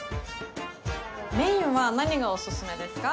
メインは何がお勧めですか？